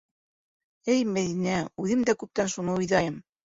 - Эй Мәҙинә, үҙем дә күптән шуны уйҙайым.